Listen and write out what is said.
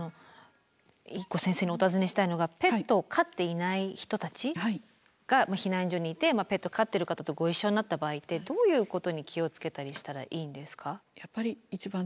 １個先生にお尋ねしたいのがペットを飼っていない人たちが避難所にいてペット飼ってる方とご一緒になった場合ってどういうことに気を付けたりしたらいいんですか？